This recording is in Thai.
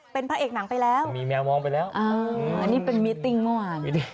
เป็นพระเอกหนังไปแล้วมีแมวมองไปแล้วอันนี้เป็นมิติ้งเมื่อวาน